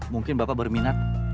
mungkin bapak berminat